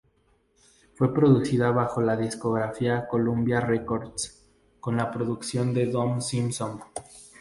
Fue producida bajo la discográfica Columbia Records, con la producción de y Don Simpson.